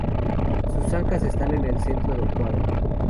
Sus ancas están en el centro del cuadro.